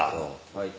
はい。